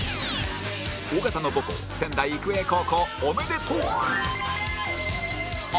尾形の母校仙台育英高校おめでとう！